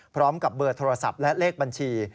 พร้อมกับเบอร์โทรศัพท์และเลขบัญชี